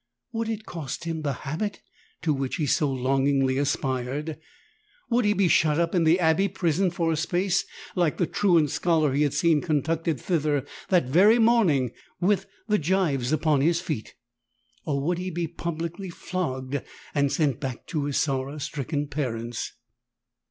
Would it cost him the habit to which he so longingly aspired? Would he be shut up in the abbey prison for a space, like the truant scholar he had seen conducted thither that very morning with the gyves upon his feet? Or would he be publicly flogged and sent back to his sorrow stricken parents?